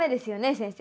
先生。